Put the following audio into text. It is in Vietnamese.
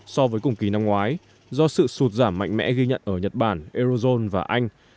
so với cùng kỳ năm ngoái do sự sụt giảm mạnh mẽ ghi nhận ở nhật bản eurozone và anh